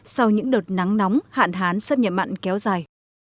sau những đợt nắng nóng hạn hán xâm nhập mặn kéo dài